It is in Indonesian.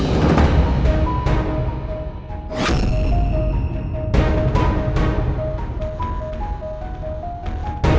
ini aja mbak siap